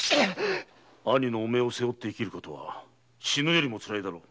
兄の汚名を背負って生きることは死ぬよりも辛いだろう。